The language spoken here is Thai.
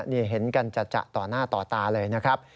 นี่เห็นกันจัดต่อหน้าต่อตาเลยนะครับ